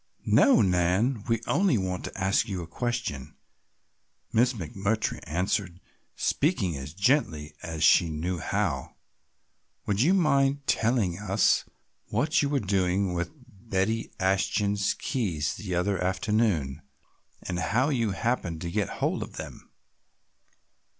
"No, Nan, we only want to ask you a question," Miss McMurtry answered, speaking as gently as she knew how. "Would you mind telling us what you were doing with Betty Ashton's keys the other afternoon and how you happened to get hold of them?"